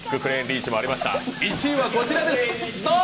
１位はこちらです、ドン！